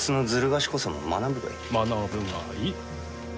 学ぶがいい。